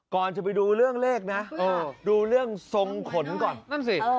ก่อนจะไปดูเรื่องเลขนะดูเรื่องทรงขนก่อนนั่นสิ